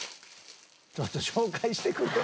ちょっと紹介してくれや。